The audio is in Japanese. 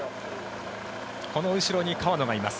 この後ろに川野がいます。